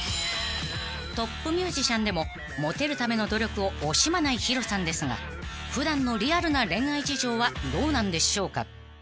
［トップミュージシャンでもモテるための努力を惜しまないＨｉｒｏさんですが普段のリアルな恋愛事情はどうなんでしょうか？］